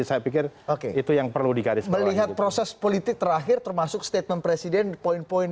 saya pikir itu yang perlu digaris melihat proses politik terakhir termasuk statement presiden poin poin